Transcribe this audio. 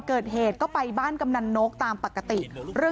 ปี๖๕วันเกิดปี๖๔ไปร่วมงานเช่นเดียวกัน